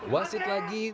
jangan jangan jangan